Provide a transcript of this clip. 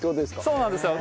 そうなんですよ。